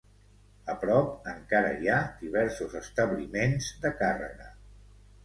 A prop, encara hi ha diversos establiments de càrrega.